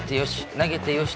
投げてよし！